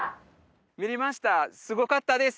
見れましたすごかったです